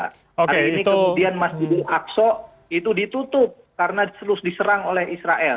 hari ini kemudian mas jiddu aqso itu ditutup karena seluruh diserang oleh israel